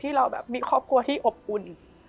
เราแบบมีครอบครัวที่อบอุ่น